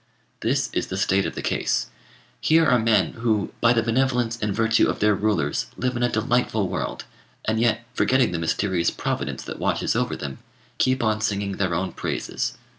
This is the state of the case. Here are men who, by the benevolence and virtue of their rulers, live in a delightful world, and yet, forgetting the mysterious providence that watches over them, keep on singing their own praises.